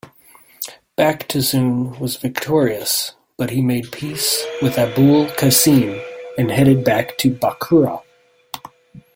Baktuzun was victorious, but he made peace with Abu'l-Qasim and headed back to Bukhara.